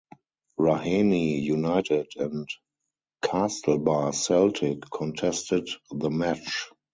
Raheny United and Castlebar Celtic contested the match.